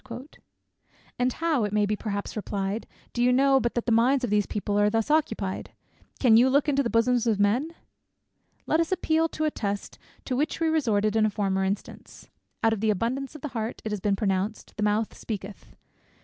"And how," it may be perhaps replied, "do you know, but that the minds of these people are thus occupied? Can you look into the bosoms of men?" Let us appeal to a test to which we resorted in a former instance. "Out of the abundance of the heart," it has been pronounced, "the mouth speaketh."